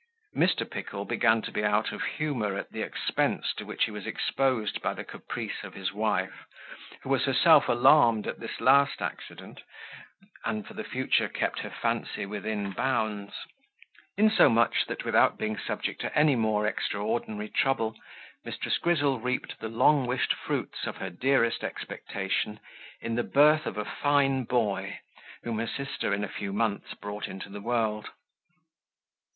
Mr. Pickle began to be out of humour at the expense to which he was exposed by the caprice of his wife, who was herself alarmed at this last accident, and for the future kept her fancy within bounds; insomuch, that without being subject to any more extraordinary trouble, Mrs. Grizzle reaped the long wished fruits of her dearest expectation in the birth of a fine boy, whom her sister in a few months brought into the world.